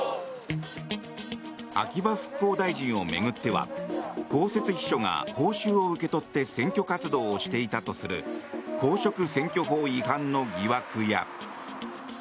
秋葉復興大臣を巡っては公設秘書が報酬を受け取って選挙活動をしていたとする公職選挙法違反の疑惑や。